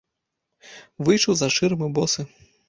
Выйшаў з-за шырмы босы.